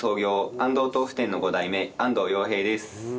安藤豆腐店の５代目安藤陽平です。